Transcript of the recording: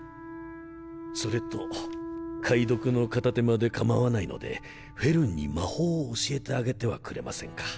それと解読の片手間で構わないのでフェルンに魔法を教えてあげてはくれませんか？